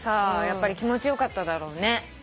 やっぱり気持ち良かっただろうね。